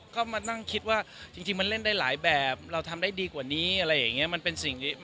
ก็มานั่งคิดว่าจริงมันเล่นได้หลายแบบเราทำได้ดีกว่านี้อะไรอย่างงี้